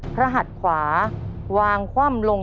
พระหัดขวาวางคว่ำลงอย่าง